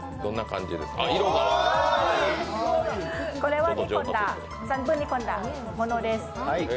これは３分煮込んだものです。